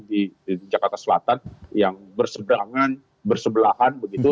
pusat perbelanjaan di jakarta selatan yang bersebrangan bersebelahan begitu